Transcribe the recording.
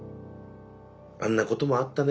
「あんなこともあったね」